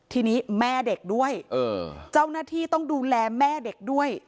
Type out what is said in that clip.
ทีนี้แม่เด็กด้วยเจ้าหน้าที่ต้องดูแลแม่เด็กด้วย